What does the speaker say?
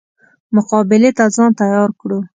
مقابلې ته ځان تیار کړو.